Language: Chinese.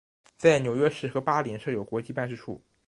在纽约市和巴林设有国际办事处。